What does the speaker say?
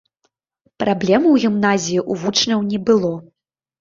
Праблем у гімназіі ў вучняў не было.